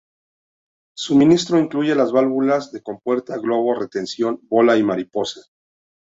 Su suministro incluye las válvulas de compuerta, globo, retención, bola y mariposa.